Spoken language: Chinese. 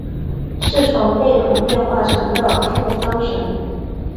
是从贝桶变化成的付丧神。